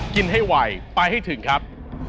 กินให้ไวไปให้ถึงครับ